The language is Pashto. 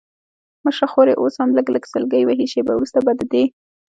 مشره خور یې اوس هم لږ لږ سلګۍ وهلې، شېبه وروسته به د دې.